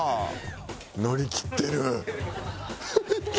乗り切ってる！